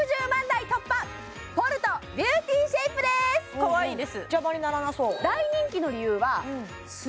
かわいいです